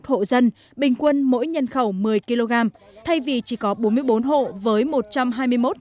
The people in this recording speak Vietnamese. nhân khẩu được nhận theo danh sách được duyệt mỗi nhân khẩu một mươi năm kg một tháng theo nghị định một trăm ba mươi sáu của chính phủ gây bất bình trong nhân dân